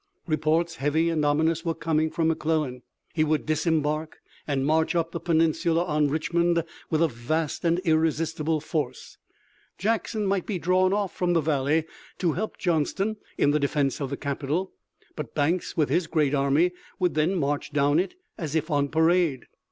Reports heavy and ominous were coming from McClellan. He would disembark and march up the peninsula on Richmond with a vast and irresistible force. Jackson might be drawn off from the valley to help Johnston in the defense of the capital. But Banks with his great army would then march down it as if on parade.